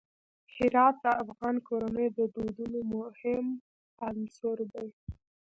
هرات د افغان کورنیو د دودونو مهم عنصر دی.